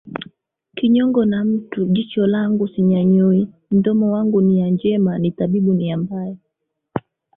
kinyongo na mtu langu jicho sinyanyui mdomo wangu nia njema ni tabibu nia mbaya